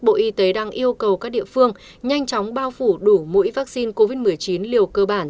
bộ y tế đang yêu cầu các địa phương nhanh chóng bao phủ đủ mũi vaccine covid một mươi chín liều cơ bản